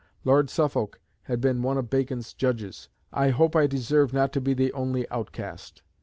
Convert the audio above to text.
Lord Suffolk had been one of Bacon's judges. "I hope I deserve not to be the only outcast."